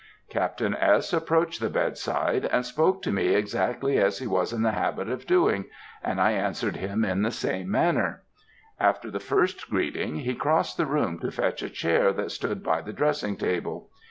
"Captain S. approached the bedside, and spoke to me exactly as he was in the habit of doing, and I answered him in the same manner. After the first greeting, he crossed the room to fetch a chair that stood by the dressing table.